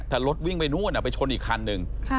แต่รถวิ่งไปนู่นไปชนอีกคันหนึ่ง